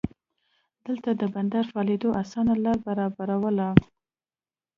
دلته د بندر فعالېدو اسانه لار برابرواله.